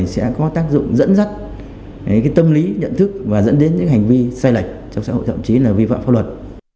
sẽ có tác dụng dẫn dắt tâm lý nhận thức và dẫn đến những hành vi sai lệch trong xã hội thậm chí là vi phạm pháp luật